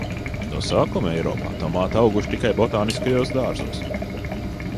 No sākuma Eiropā tomāti auguši tikai botāniskajos dārzos.